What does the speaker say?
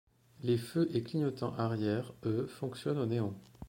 Les feux et clignotants arrière, eux, fonctionnent au néon.